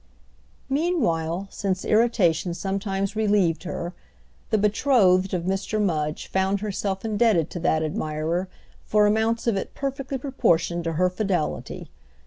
Meanwhile, since irritation sometimes relieved her, the betrothed of Mr. Mudge found herself indebted to that admirer for amounts of it perfectly proportioned to her fidelity.